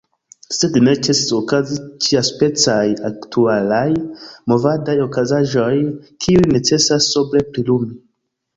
Sed ne ĉesis okazi ĉiaspecaj aktualaj movadaj okazaĵoj, kiujn necesas sobre prilumi.